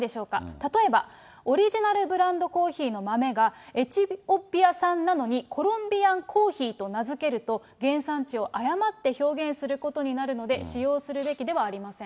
例えばオリジナルブランドコーヒーの豆が、エチオピア産なのにコロンビアン・コーヒーと名付けると、原産地を誤って表現することになるので、使用するべきではありません。